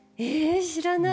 知らない。